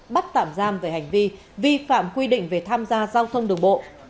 bắt tạm giam về hành vi vi phạm quy định về tham gia giao thông đường bộ